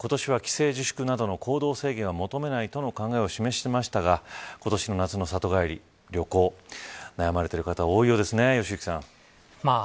小池都知事は今年は帰省自粛などの行動制限は求めないとの考えを示しましたが今年の夏の里帰り旅行、悩まれている方多いようですね。